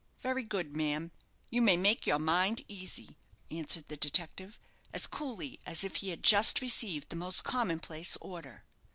"Very good, ma'am; you may make your mind easy," answered the detective, as coolly as if he had just received the most common place order.